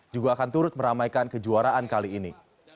juga akan turut meramaikan kejuaraan kali ini